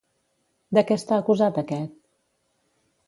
De què està acusat aquest?